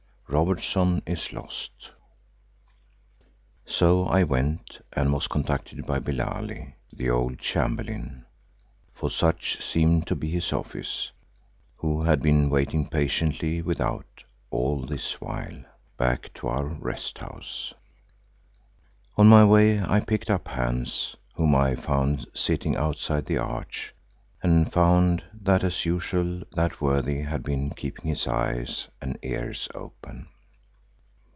ROBERTSON IS LOST So I went and was conducted by Billali, the old chamberlain, for such seemed to be his office, who had been waiting patiently without all this while, back to our rest house. On my way I picked up Hans, whom I found sitting outside the arch, and found that as usual that worthy had been keeping his eyes and ears open.